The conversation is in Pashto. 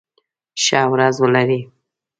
ښه ورځ ولرئ.